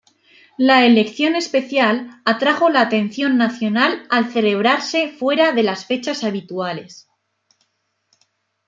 La elección especial atrajo la atención nacional al celebrarse fuera de las fechas habituales.